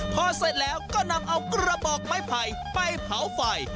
พอเสร็จแล้วก็นำเอากระบอกไม้ไผ่ไปเผาไฟ